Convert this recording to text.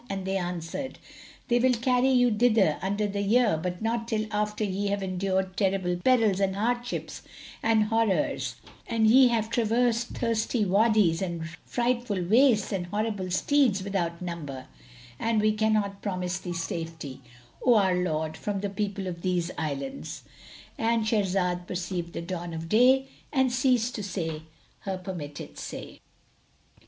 and they answered, "They will carry you thither under the year, but not till after ye have endured terrible perils and hardships and horrors and ye have traversed thirsty Wadys and frightful wastes and horrible steads without number; and we cannot promise thee safety, O our lord, from the people of these islands,"—And Shahrazad perceived the dawn of day and ceased to say her permitted say.